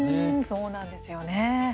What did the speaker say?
そうなんですよね。